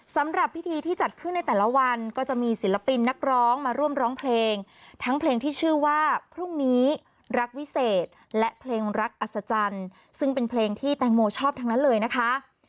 สำหรับพิธีที่จัดขึ้นในแต่ละวันก็จะมีศิลปินนักร้องมาร่วมร้องเพลงทั้งเพลงที่ชื่อว่าพรุ่งนี้รักวิเศษและเพลงรักอัศจรรย์ซึ่งเป็นเพลงที่แตงโมชอบทั้งนั้นเลยนะคะ